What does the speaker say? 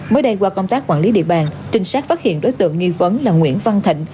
mới đây qua công tác quản lý địa bàn trinh sát phát hiện đối tượng nghi vấn là nguyễn văn thịnh